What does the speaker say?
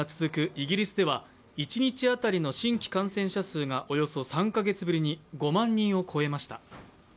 イギリスでは一日当たりの新規感染者数がおよそ３カ月ぶりに５万人を超えました。